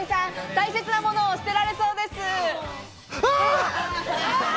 大切な物を捨てられそうです。